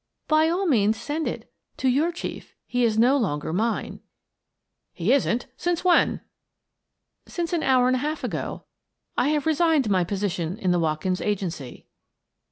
" By all means send it — to your chief : he is no longer mine." "He isn't? Since when?" " Since an hour and a half ago. I have resigned my position in the Watkins Agency."